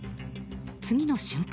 次の瞬間。